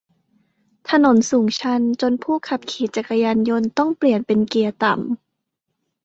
ถนนสูงชันจนผู้ขับขี่จักรยานยนต์ต้องเปลี่ยนเป็นเกียร์ต่ำ